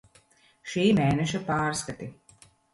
Šī mēneša pārskati.